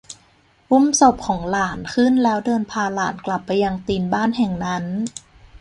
อุ้มศพของหลานขึ้นแล้วเดินพาหลานกลับไปยังตีนบ้านแห่งนั้น